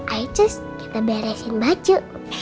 ayo cus kita beresin baju